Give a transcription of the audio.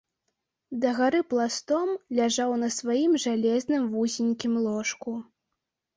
Дагары пластом ляжаў на сваім жалезным вузенькім ложку.